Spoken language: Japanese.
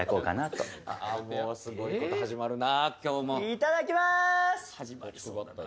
いただきまーす！